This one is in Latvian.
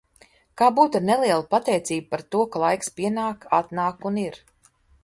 Kā būtu ar nelielu pateicību par to, ka laiks pienāk, atnāk un ir?